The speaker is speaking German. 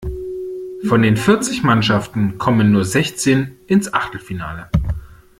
Von den vierzig Mannschaften kommen nur sechzehn ins Achtelfinale.